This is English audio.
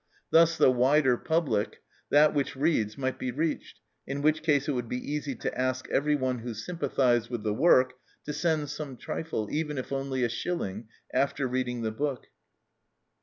Thus the wider public that which reads might be reached, in which case it would be easy to ask everyone who sympathized with the work to send some trifle, even if only a shilling, after reading the book.